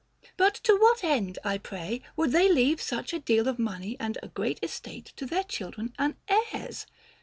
But to what end, I pray, would they leave such a deal of money and a great estate to then.• children and heirs'?